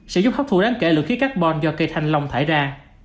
sẽ giúp hấp thu đáng kể lượng khí carbon do cây thanh long thải ra